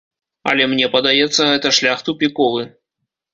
Але мне падаецца, гэта шлях тупіковы.